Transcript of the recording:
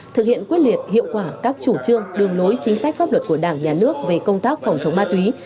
thực hiện quyết liệt hiệu quả các chủ trương đường lối chính sách pháp luật của đảng nhà nước về công tác phòng chống ma túy